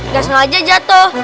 gak sengaja jatuh